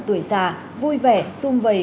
tuổi già vui vẻ xung vầy